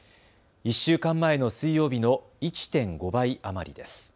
１週間前の水曜日の１．５倍余りです。